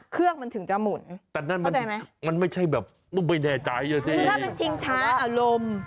คือถ้ามันชิงช้าอารมณ์